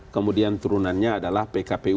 kemudian turunannya adalah pkpu